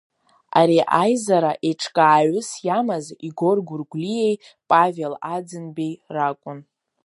Ари аизара еиҿкааҩыс иамаз Игор Гәыргәлиеи Павел Аӡынбеи ракәын.